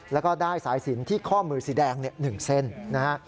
แล้วก็ได้สายศีลที่ข้อมือสีแดง๑เส้น